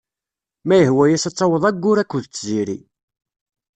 Ma yehwa-as ad taweḍ aggur akked tziri.